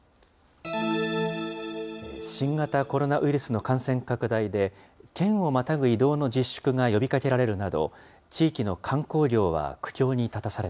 新型コロナウイルスの感染拡大で、県をまたぐ移動の自粛が呼びかけられるなど、地域の観光業は苦境